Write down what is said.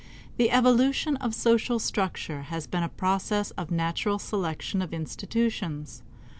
The evolution of social structure has been a process of natural selection of institutions.